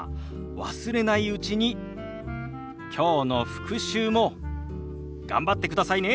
忘れないうちにきょうの復習も頑張ってくださいね。